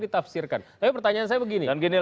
tapi pertanyaan saya begini